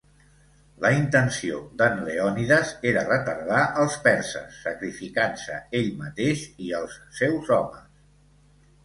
La intenció d'en Leònides era retardar els perses, sacrificant-se ell mateix i els seus homes.